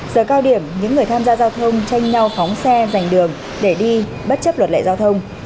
giờ cao điểm những người tham gia giao thông tranh nhau phóng xe giành đường để đi bất chấp luật lệ giao thông